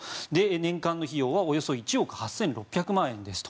年間の費用はおよそ１億８６００万円ですと。